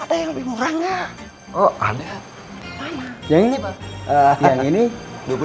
ada yang lebih murah enggak oh ada yang ini dua puluh lima juta